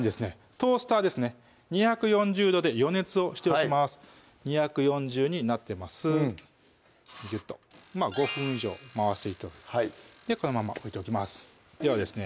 トースターですね２４０度で予熱をしておきます２４０になってますギュッとまぁ５分以上このまま置いておきますではですね